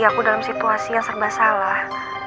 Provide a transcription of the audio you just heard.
aku dalam situasi yang serba salah